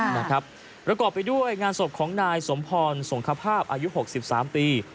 ประกอบไปด้วยงานศพของนายสมพรสงคภาพอายุ๖๓ปี